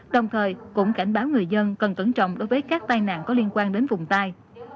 đồng thời cũng cảnh báo người dân cần cẩn trọng đối với các tai nạn có liên quan đến vùng tai